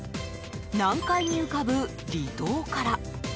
南海に浮かぶ離島から。